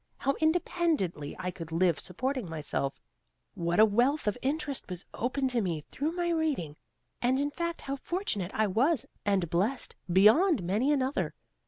How independently I could live supporting myself; what a wealth of interest was opened to me through my reading, and in fact how fortunate I was, and blessed beyond many another!